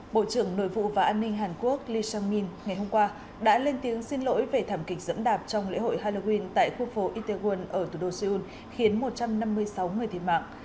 bộ trưởng nội vụ và an ninh hàn quốc lee jung min ngày hôm qua đã lên tiếng xin lỗi về thảm kịch dẫm đạp trong lễ hội halloween tại khu phố itawon ở thủ đô seoul khiến một trăm năm mươi sáu người thiệt mạng